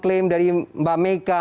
klaim dari mbak meika